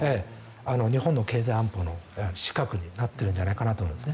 日本の経済安保の死角になっているんじゃないかと。